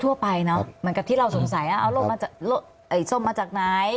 ทั่วไปเนอะเหมือนกับที่เราสงสัยอ่ะเอาล่มมาจากเอ๋ยส้มมาจากไหน